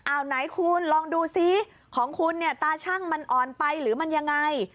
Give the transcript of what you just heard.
เอาไหนคุณลองดูซิของคุณเนี่ยตาชั่งมันอ่อนไปหรือมันยังไง